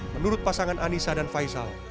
menurut pasangan anissa dan faisal